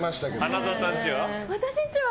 花澤さんちは？